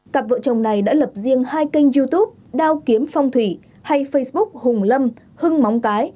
cặp vợ chồng này đã lập riêng hai kênh youtube đao kiếm phong thủy hay facebook hùng lâm hưng móng cái